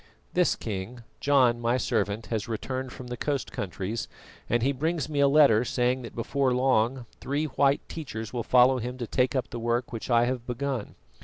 "This, King: John, my servant, has returned from the coast countries, and he brings me a letter saying that before long three white teachers will follow him to take up the work which I have begun.